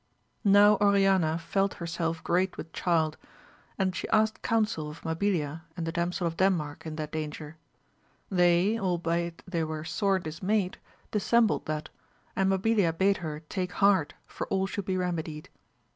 OW Oriana felt herself great with child, and she asked counsel of Mabilia and the Dam sel of Denmark in that danger ; they albeit they were sore dismayed dissembled that, and Mabilia bade her take heart for all should be remedied.